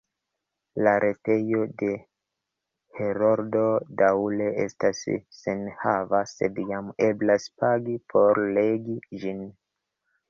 La retejo de Heroldo daŭre estas senenhava, sed jam eblas pagi por legi ĝin.